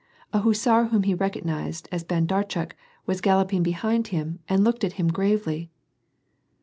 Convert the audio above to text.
A hussar whom he recognized as Handarchuk was galloping behind him and looked at him gravely.